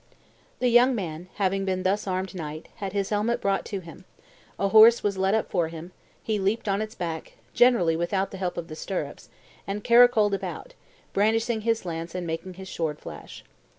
"The young man, having been thus armed knight, had his helmet brought to him; a horse was led up for him; he leaped on its back, generally without the help of the stirrups, and caracoled about, brandishing his lance and making his sword flash.